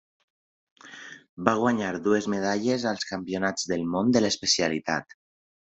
Va guanyar dues medalles als Campionats del món de l'especialitat.